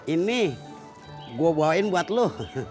ini gue bawain buat lo